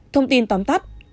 thông tin tóm tắt